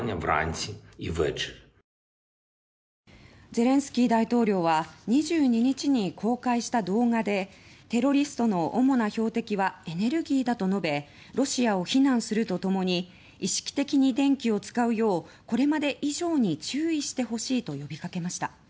ゼレンスキー大統領は２２日に公開した動画でテロリストの主な標的はエネルギーだと述べロシアを非難するとともに意識的に電気を使うようこれまで以上に注意してほしいと呼びかけました。